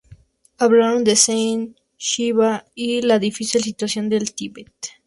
Hablaron de Zen, Shiva y la difícil situación del Tíbet.